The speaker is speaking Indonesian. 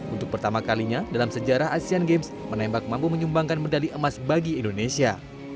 untuk pertama kalinya dalam sejarah asean games menembak mampu menyumbangkan medali emas bagi indonesia